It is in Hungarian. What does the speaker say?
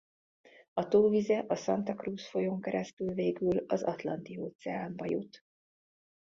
A tó vize a Santa Cruz folyón keresztül végül az Atlanti-óceánba jut.